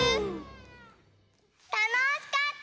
たのしかった！